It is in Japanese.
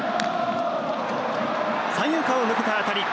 三遊間を抜けた当たり。